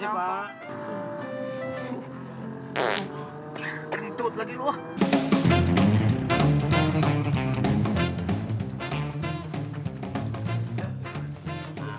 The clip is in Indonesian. sebut lagi loh